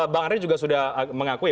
bang andre juga sudah mengakui